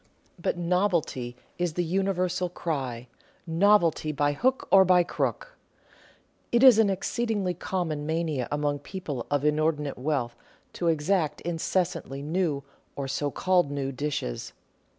But novelty is the universal cry — novelty by hook or by crook ! It is an exceedingly common mania among people of inordinate wealth to exact incessantly new or so called new dishes.